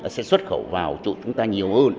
sẽ xuất khẩu vào chủ chúng ta nhiều